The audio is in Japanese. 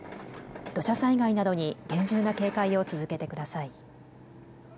土砂災害などに厳重な警戒を続けてください。